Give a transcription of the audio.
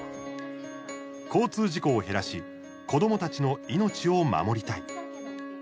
交通事故を減らし子どもたちの命を守りたい。